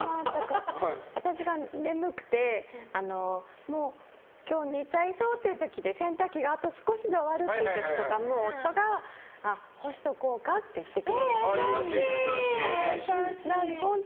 私が眠くて、今日はもう寝ちゃいそうって時で洗濯機があと少しで終わるっていう時とかも夫が干しとこうか言ってくれるんですよ。